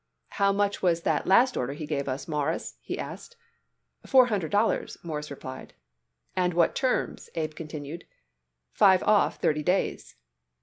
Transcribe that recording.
"How much was that last order he give us, Mawruss?" he asked. "Four hundred dollars," Morris replied. "And what terms?" Abe continued. "Five off, thirty days."